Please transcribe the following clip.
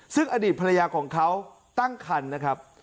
ซึ่งอดีตภรรยาของเขาตั้งคันนะครับ